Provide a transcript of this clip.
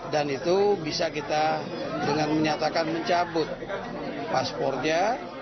dan itu bisa kita dengan menyatakan mencabut paspornya